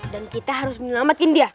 dan kita harus menyelamatkin dia